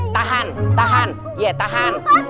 tahan tahan iya tahan